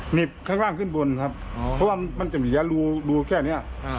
หนีบข้างล่างขึ้นบนครับเพราะว่ามันจะมียารูแค่นี้